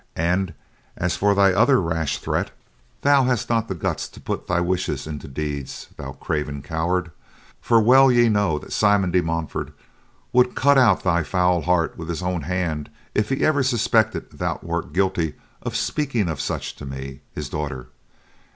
And as for thy other rash threat, thou hast not the guts to put thy wishes into deeds, thou craven coward, for well ye know that Simon de Montfort would cut out thy foul heart with his own hand if he ever suspected thou wert guilty of speaking of such to me, his daughter."